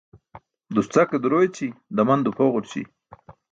Duscake duro eći daman duphogurći